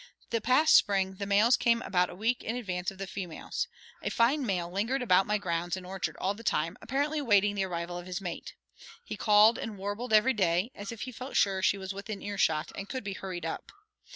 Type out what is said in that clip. The past spring the males came about a week in advance of the females. A fine male lingered about my grounds and orchard all the time, apparently waiting the arrival of his mate. He called and warbled every day, as if he felt sure she was within ear shot, and could be hurried up.